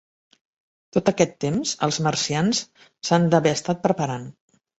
Tot aquest temps, els marcians s'han d'haver estat preparant.